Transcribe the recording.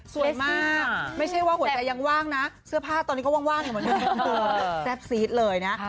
สวยมากไม่ใช่ว่าหัวใจยังว่างนะเสื้อผ้าตอนนี้ก็ว่างอยู่เหมือนเดิมแซ่บซีดเลยนะ